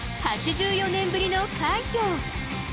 ８４年ぶりの快挙。